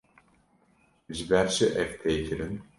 Ji ber çi ev tê kirin?